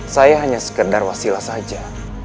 saya hanya sekedar wasilah saja